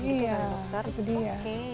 iya itu dia